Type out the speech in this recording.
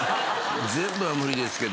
全部は無理ですけど。